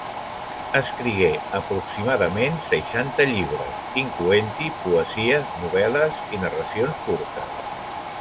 Escrigué aproximadament seixanta llibres, incloent-hi poesia, novel·les i narracions curtes.